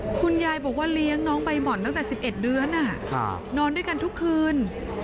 คุณยายบอกว่าเลี้ยงน้องใบหม่อนตั้งแต่๑๑เดือนนอนด้วยกันทุกคืน